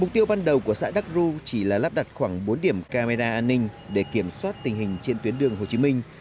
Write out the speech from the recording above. mục tiêu ban đầu của xã đắc ru chỉ là lắp đặt khoảng bốn điểm camera an ninh để kiểm soát tình hình trên tuyến đường hồ chí minh